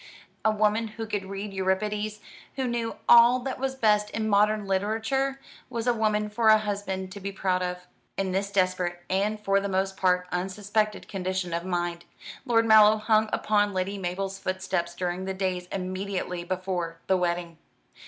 A woman who could read Euripides, who knew all that was best in modern literature, was a woman for a husband to be proud of. In this desperate and for the most part unsuspected condition of mind, Lord Mallow hung upon Lady Mabel's footsteps during the days immediately before the wedding.